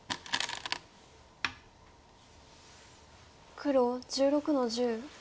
黒１６の十。